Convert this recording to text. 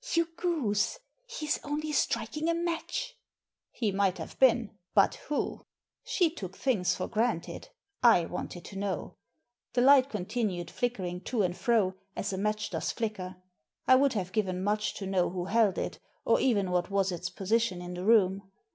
" You goose ! He's only striking a match." He might have been, but who? She took things for granted. I wanted to know. The light con tinued flickering to and fro, as a match does flicker. I would have given much to know who held it, or even what was its position in the room.